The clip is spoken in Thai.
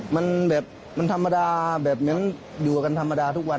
มันแบบมันธรรมดาแบบเหมือนอยู่กันธรรมดาทุกวัน